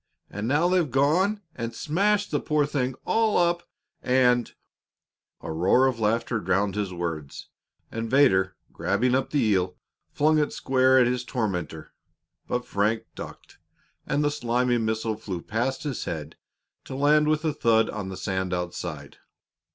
And now they've gone and smashed the poor thing all up, and " A roar of laughter drowned his words, and Vedder, grabbing up the eel, flung it square at his tormentor. But Frank ducked, and the slimy missile flew past his head to land with a thud on the sand outside.